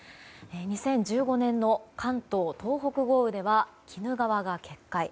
２０１５年の関東・東北豪雨では鬼怒川が決壊。